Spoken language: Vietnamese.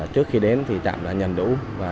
trước khi đến thì chạm là nhận đủ